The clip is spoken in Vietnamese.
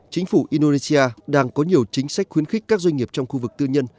chính phủ indonesia đang có nhiều chính sách khuyến khích các doanh nghiệp trong khu vực tư nhân